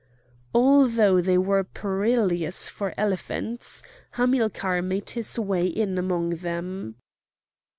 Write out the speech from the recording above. Although they were perilous for elephants, Hamilcar made his way in among them.